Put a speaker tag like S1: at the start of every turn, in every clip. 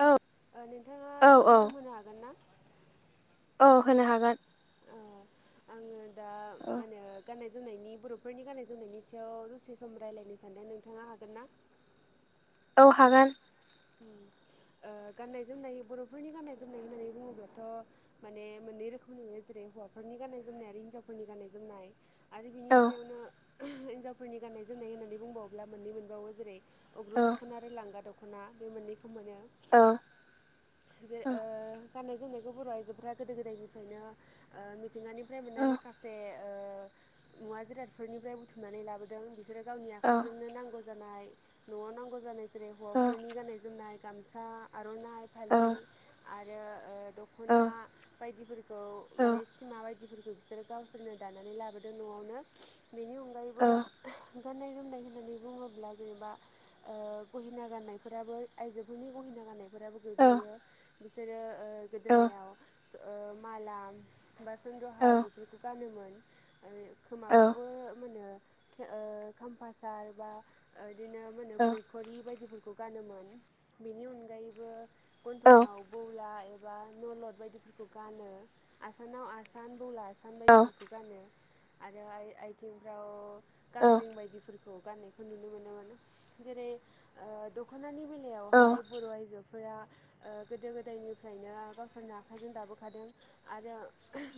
S1: औ
S2: नोंथाङा
S1: औ औ
S2: दसे सम होनो हागोन ना
S1: औ होनो हागोन
S2: ओ आङो दा
S1: औ।
S2: मा होनो गाननाय जोमनायनि बर'फोरनि गाननाय जोमनायनि सायाव दसे सम रायलायनो सानदों नोंथाङा हागोन ना?
S1: औ हागोन।
S2: [inaudible] गाननाय जोमनाय बर'फोरनि गाननाय जोमनाय होननानै बुङोब्लाथ' माने मोननै रोखोमनि नुयो जेरै जेरै हौवाफोरनि गाननाय जोमनाय आरो हिनजावफोरनि गाननाय जोमनाय। आरो बिनि
S1: औ
S2: सायावनो हिनजावफोरनि गाननाय जोमनाय होननानै बुंबावोब्ला मोननै मोनबावो जेरै
S1: औ
S2: अग्रुं दख'ना आरो लांगा दख'ना बे मोननै खौ मोनो
S1: औ
S2: जेरै।
S1: औ
S2: गाननाय जोमनायखौ बर' आइजोफोरा गोदो गोदायनिफ्रायनो मिथिंगानिफ्राय
S1: औ
S2: मोननाय माखासे मुवा जिरादफोरनिफ्राय बुथुमनानै लाबोदों बिसोरो गावनि आखाइजोंनो नांगौ जानाय न'आव नांगौ जानाय जेरै हौवाफोरनि फाननाय गामसा आरो
S1: औ।
S2: दख'ना बायदि फोरखौ माने सिमा बादि फोरखौ बिसोरो गावसोरनो दानानै लाबोदों न'आवनो बेनि अनगायैबो गाननाय जोमनाय होननानै बुङोब्ला जेनेबा गहेना गान्नाय। फोराबो आइजोफोरनि गहेना गाननायफोराबो गोग्लैयो बिसोरो गोदोनायाव मालाम बा सन्द्रहार बेफोरखौ गानोमोन खोमाफ्रावबो मोनो खामफासार बा बिदिनो मोनो फुरखरि बायदिफोरखौ गानोमोन बेनि अनगायैबो गन्थंआव बौला ए बा नलद बायदिफोरखौ गानो आसामानाव आसान बौला आसामान बायदिफोरखौ गानो आरो आ आथिंफ्राव गांग्रिं बायदि खौ गान्नायखौ नुनो मोनो मोन जेरै दख'नानि बेलायावहाय बर' आइजो फोरा गोदो गोदायनिफ्रायनो गावसोरनो आखाइजों दाबोखादों आरो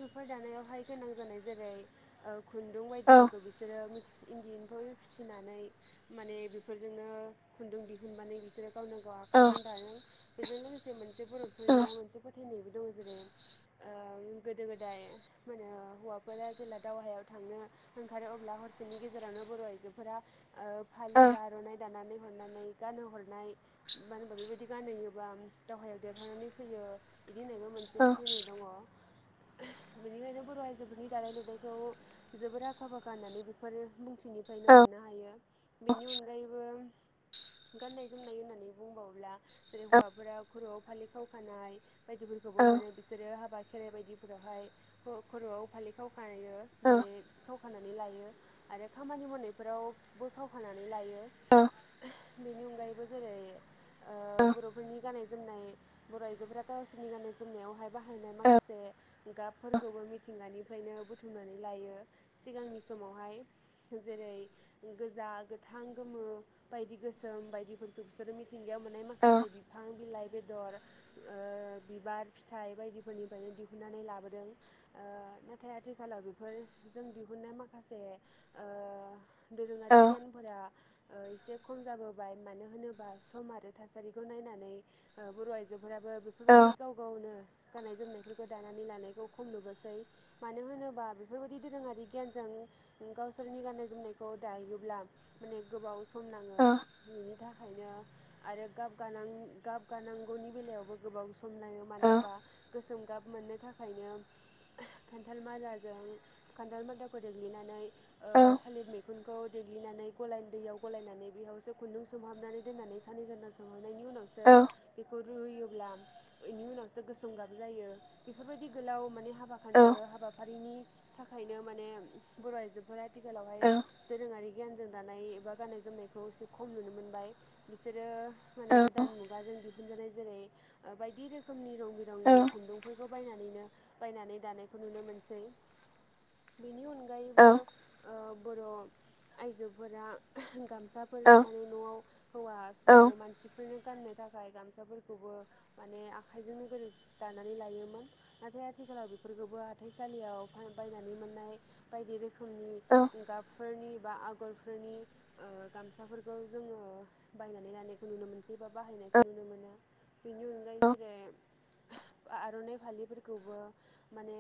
S2: बेफोर दानायावहाय गोनां जानाय जेरै खुन्दुं बायदिफोरखौ बिसोरो मिथि इन्दि एम्फौ फिसिनानै माने बेफोरजोंनो खुन्दुं दिहुन माने बिसोरो गावनो गाव आखाइजों दादों बेजों लोगोसे मोनसे बर'फोरनिया मोनसे फोथायनायबो दङ जेरै गोदो गोदाय मा होनो हौवाफोरा जेला दावहायाव थांनो ओंखारो अब्ला हरसेनि गेजेरावनो बर' आइजोफोरा फालि बा आर'नाय दानानै हरनानै। गान हरनाय मानो होनबा बेबायदि गानहैयोबा दावहायाव देरहानानै फैयो। बिदिहोनायबो मोनसे फोथायनाय दङ। बेनिखायनो बर' आइजोफोरनि दानाय लुनायखौ जोबोद आखा फाखा होननानै बेफोर बुंथिनिफ्रायनो मोननो हायो बेनि अनगायैबो गाननाय जोमनाय होननानै बुंबावोब्ला जेरै हौवाफोरा खर'आव फालि खावखानाय बायदिफोरखौबो मोनो बिसोरो हाबा खेराइ बायदिफोरावहाय खर'आव फालि खाव- खनाय माने खावखानानै लायो आरो खामानि मावनायफोरावबो खावखानानै लायो बेनि अनगायैबो जेरै बर'फोरनि गाननाय जोनाय बर' आइजोफोरा गावसोरनि गाननाय जोमनायावहाय बाहायनाय माखासे गाबफोरखौबो मिथिंगानि फ्रायनो बुथुमनानै लायो सिगांनि समावहाय जेरै गोजा गोथां गोथां गोमो बायदि गोसोम बायदिफोरखौ बिसोरो मिथिंगायाव मोननाय माखासे बिफां बिलाइ बेदर बिबार फिथाइ बायदिफोरनिफ्रायनो दिहुननानै लाबोदों नाथाय आथिखालाव बेफोरजों दिहुननाय माखासे दोरोङारि गियानफोरा ओ एसे खम जाबोबाय मानो होनोबा सम आरो थासारिखौ नायनानै बर' ओ आइजो फोराबो बेफोरबायदि गाव गावनो गाननाय जोमनायफोरखौ दानानै लानायखौ खम नुबोसै मानो होनोबा बेफोरबायदि दोरोङारि गियानजों गावसोरनि गाननाय जोमनायखौ दायोब्ला माने गोबाव सम बिनि थाखायनो आरो गाब गानांगौ गाब गानांगौनि बेलायावबो गोबाव स म नायो मानो होनबा गोसोम गाब मोननो थाखायनो खान्थाल मादाजों खान्थाल मादाखौ दग्लिनानै ओ थालिर मैखुनखौ देग्लिनानै गलाय दैयाव गलायनानै बेयावसो खुन्दुं सोमहाबनानै दोननानै सानै सानथाम सोमहाबनायनि उनावसो बेखौ रुयोब्ला बेनि उनावसो गोसोम गाब जायो बेफोरबायदि गोलाव माने हाबा हाबाफारिनि थाखायनो माने बर' आइजोफोरा आथिखालावहाय दोरोङारि गियानजों दानाय एबा गाननाय जोमनाय खौ एसे खम नुनो मोनबाय बिसोरो माने गोदान मुगा जों खुंजानाय जेरै बायदि रोखोमनि रं बिरंनि खुन्दुंफोरखौ बायनानैनो बायनानै दानायखौ नुनो मोनसै बिनि अन अनगायैबो ओ बर' आइजोफोरा गमसा
S1: औ।
S2: हौवा सो ओ मानसिफोरनो गाननो थाखाय गामसाफोरखौबो माने आखाइजोंनो गोदो [unintelligible] दानानै लोमोन नाथाय आथिखालाव बेफोरखौबो हाथाइसालियाव बायनानै मोननाय बायदि रोखोम रोखोमनि गाबफोरनि बा आगरफोरनि ओ गामसाफोरखौ जोङो बायनानै लानायखौ नुनो मोनसै एबा बाहायनायखौ नुनो मोना बेनि अनगायै जेरै आर'नाइ फालिफोरखौबो माने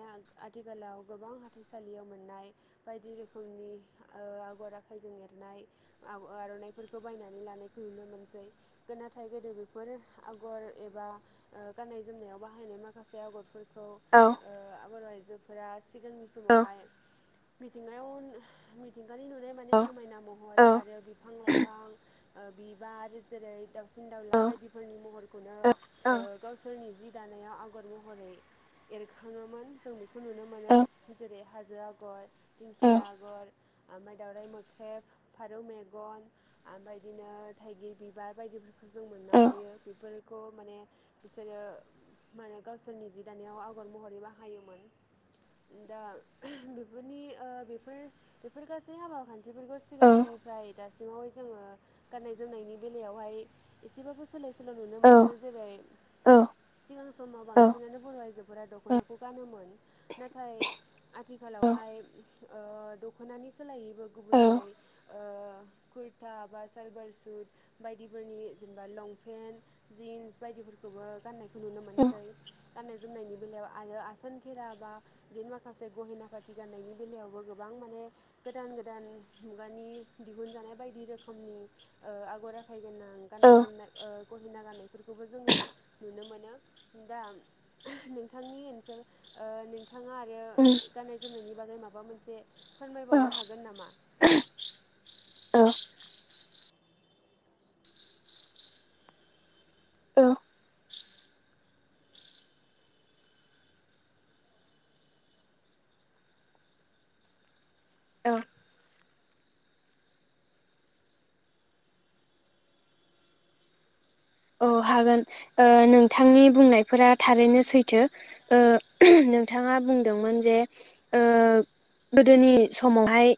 S2: आथिखालाव गोबां हाथाइसालियाव मोननाय बायदि जि रोखोमनि ओ आगर आखाइजों एरनाय आगर आर'नाफोरखौ बायनानै लानायखौ नुनो मोनसै नाथाय गोदो बेफोर आगर एबा बा ओ गाननाय जोमनायाव बाहायनाय माखासे आगरफोर रा सिगांनि समावहाय मि [unintelligible] दानि नुनाय माने समायना महर बिफां-लाइफां ओ बिबार जेरै दाउसिन दाउला बायदिफोरनि महरखौनो ओ गावसोरनि जि दानायाव आगर महरै एरखाङोमोन जों बेखौ नुनो
S1: औ औ
S2: मोनो जेरै हाजो आगर दिंखिया आगर आमाय दावराय मोख्रेब फारौ मेगन ओमफ्राय बिदिनो थाइगिर बिबार बायदिफोरखौ जों मोननो हायो बेफोरखौ खौ माने बिसोरो माने गावसोरनि जि दानायाव आगर महरै बाहायोमोन। दा बेफोरनि ओ बेफोर बेफोर गासै हाबा खान्थिफोरखौ सिगांनिफ्राय दासिमावहाय जोङो गाननाय जोमनायनि बेलायावहाय एसेबाबो सोलाय सोल' [unintelligible] व नुनो मोनदों जेरै सिगां समाव बांसिनानो बर' आइजोफोर दख'नाखौ गानोमोन नाथाय आथिखालावहाय ओ दखनानि सोलायैबो गुबुन जोलै ओ कुर्था बा सालबार सुट बायदिफोरनि जेनेबा लंपेन्ट जिन्स बायदिफोर फोरखौबो गान्नायखौ नुनो मोनसै गान्नाय जोमनायनि बेलायाव आरो आसान खेरा बा बिदिनो माखासे माखासे गहेना खाथि गान्नायनि बेलायावबो गोबां माने गोदान गोदान मुगानि दिहुनजानाय बायदि रोखोमनि ओ आगर आखाय गोनां गाननाय जोमनाय ओ गहेना गाननायफोरखौबो जोङो नुनो मोनो दा नोंथांनि ओनसोल ओ नोंथाङा आरो गाननाय जोमनायनि बागै माबा मोनसे फोरमायबावनो हागोन नामा।
S1: औ औव होगोन ओ नोंथांनि बुंनायफोरा थारैनो सैथो ओ नोंथांआ मा बुंदोंमोन जे ओ गोदोनि समावहाय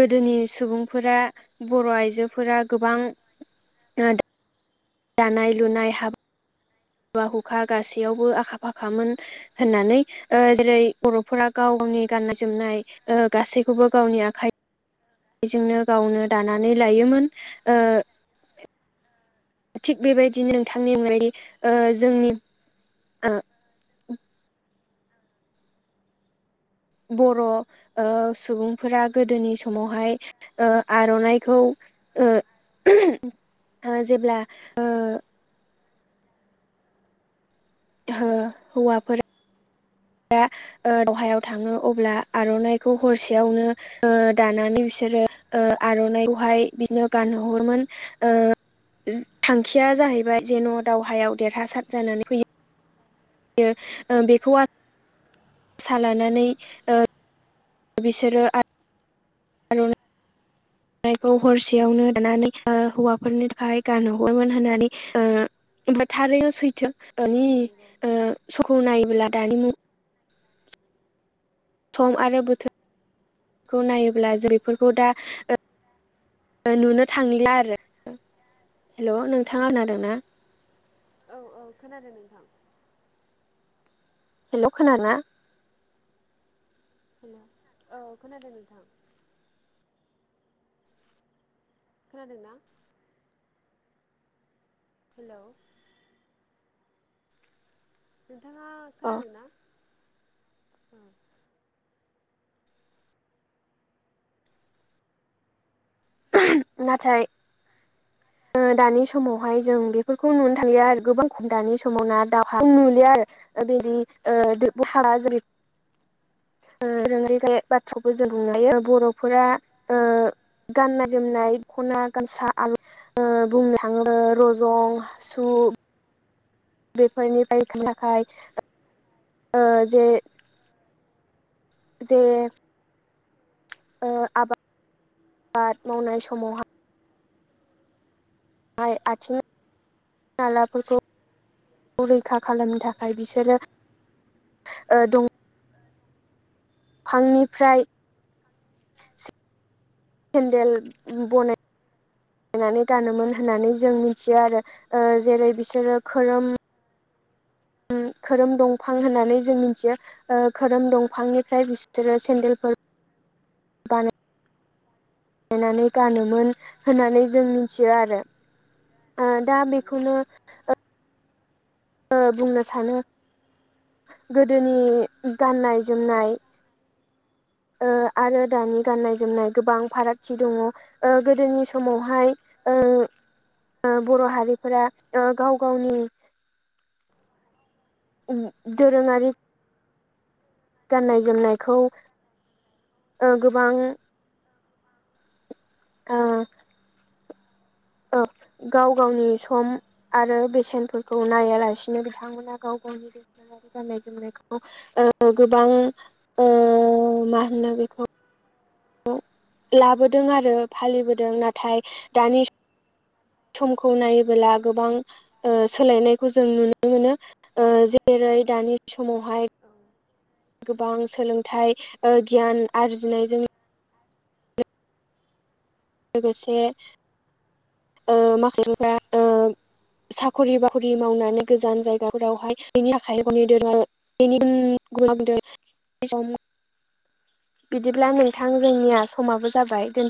S1: गोदोनि सुबुंफोरा बर' आइजोफोरा गोबां आ दे दानाय लुनाय हाब हुखा गासैयावबो आखा फाखामोन होननानै ओ जेरै
S2: औ
S1: बर'फोरा गाव गाव
S2: नंगौ। औ
S1: गावनि गाननाय जोमनाय गासैखौबो गावनि आखाइ जोंनो गावनो दानानै लायोमोन ओ थिग बेबायदिनो नोंथांनि अगदि ओ जोंनि [unintelligible] बर' ओ सुबुंफोरा गोदोनि समावहाय ओ आर'नाइखौ ओ [unintelligible] जेब्ला ओ हौवाफोरा दावहायाव थाङो अब्ला आर'नाइखौ हरसेयावनो दानानै बिसोर आरो आर'नाइखौहाय बिदिनो गानहरोमोन थांखिया जाहैबाय जेन' दावहायाव देरहासार जानानै फैयो यो बेखौ आ आसा लानानै बिसोरो [unintelligible] खौ हरसेयावनो दानानै हौवाफोरनि थाखाय गानहहरोमोन होननानै थारैनो सैथोनि
S2: नंगौ
S1: [unintelligible] सखौ नायोब्ला दानि मुं सम आरो बोथोरखौ नायोब्ला जैफोरखौ दा नुनो थांलिआ आरो हेल' नोंथाङा खोनादों ना
S2: औ औ खोनादों नोंथां।
S1: हेल' खोनादोंना?
S2: हेल' औ खोनादों नोंथां। खोनादों ना? हेल' नोंथाङा
S1: अ
S2: खोनादोंना?
S1: [unintelligible] नाथाय
S2: आ।
S1: ओ दानि समावहाय जों बेफोरखौ नुनो थांलिया आरो दानि समाव ना दावहा नुलिया आरो। बेदि ओ हारा जेरै
S2: [inaudible]
S1: [unintelligible] बाथ्राखौबो जों बुंनो हायो बर'फोरा गाननाय जोमनाय खना गामसा आरो ओ बुंनो थाङो ओ रजं सु बेफोरनिफ्राय थाखाय ओ जे जे ओ आबाद मावनाय समावहाय आइ आथिं आलाफोरखौ रैखा खालामनो थाखाय बिसोरो दङ फांनिफ्राय सेन्देल बनाय नानै गानोमोन होननानै जों मिथियो आरो ओ जेरै बिसोरो खोरोम खोरोम दंफां होननानै जों मिथियो ओ खोरोम दंफांनिफ्राय बिसोरो सेन्देलफोर
S2: [inaudible]
S1: बानो। नायनानै गानोमोन होननानै जों मिथियो आरो।
S2: औ
S1: दा
S2: नंगौ।
S1: बेखौनो बुंनो सानो। गोदोनि गाननाय जोमनाय।
S2: [inaudible]
S1: ओ आरो दानि गाननाय जोमनाय गोबां फारागथि दङ' ओ गोदोनि समावहाय ओ ओ ओ बर' हारिफोरा ओ गाव गावनि ओम दोरोङारि। गाननाय जोमनायखौ ओ गोबां ओ औ गाव गावनि सम आरो बेसेनफोरखौ नायालासिनो बिथांमोना गाव गावनि दोरोङारि गाननाय जोमनायखौ ओ गोबां ओ मा होनो बे खौ खौ लाबोदों आरो फालिबोदों नाथाय दानि समखौ नायोबोला गोबां ओ सोलायनायखौ जों नुनो मोनो। ओ जेरै [unintelligible] दानि समावहाय गोबां सोलोंथाइ ओ गियान आरजिनायजों लोगोसे ओ माखासे [unintelligible] ओ साखरि बाखरि मावनानै गोजान जायगाफोरावहाय बेनि आखाइनि [unintelligible] बेनि ओम [unintelligible] बिदिब्ला नोंथां जोंनिया समाबो जाबाय दोन